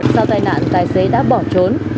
sau tai nạn tài xế đã bỏ trốn